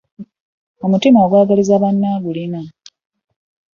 Omutima ogwagaliza banne agulina.